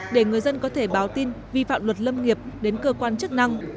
để người dân có thể báo tin vi phạm luật lâm nghiệp đến cơ quan chức năng